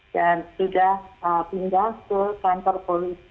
dan sudah pindah ke kantor polisi